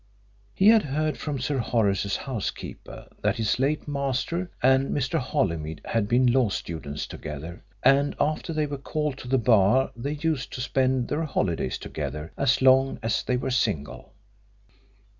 He had heard from Sir Horace's housekeeper that his late master and Mr. Holymead had been law students together, and after they were called to the Bar they used to spend their holidays together as long as they were single.